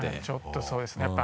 ちょっとそうですね